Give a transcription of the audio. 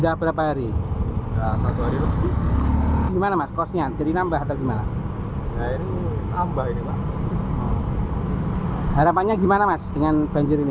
harapannya gimana mas dengan banjir ini